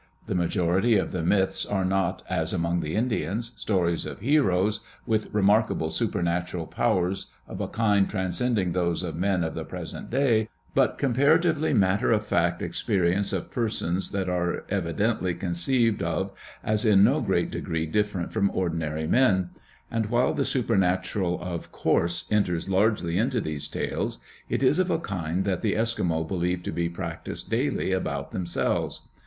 The majority of the myths are not, as among the Indians, stories of heroes with remarkable supernatural powers of a kind trans cending those of men of the present day, but comparatively matter of fact experiences of persons that are evidently conceived of as in no great degree different from ordinary men; and while the supernatural of course enters largely into these tales, it is of a kind that the Eskimo believe to be practiced daily about them selves.